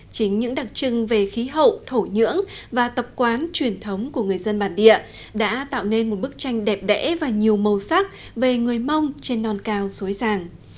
chính những đặc trưng về khí hậu thổ nhưỡng và tập quán truyền thống của người dân bản địa đã tạo nên một bức tranh đẹp đẽ và nhiều màu sắc về người mông trên non cao xối giàng